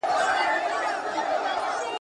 ږغ مي اوری؟ دا زما چیغي در رسیږي؟ `